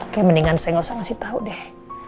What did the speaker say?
kayak mendingan saya nggak usah ngasih tahu deh